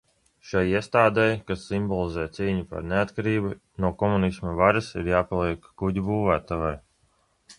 Šai iestādei, kas simbolizē cīņu par neatkarību no komunisma varas, ir jāpaliek kuģu būvētavai.